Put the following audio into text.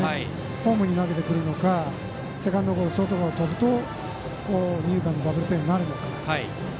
ホームに投げてくるのかセカンドゴロショートゴロをとると二遊間でダブルプレーになるのか。